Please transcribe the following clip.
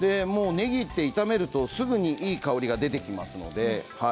ねぎは炒めると、すぐにいい香りが出てきますので。